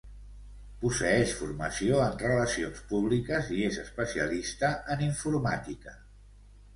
Posseeix formació en relacions públiques i és especialista en informàtica.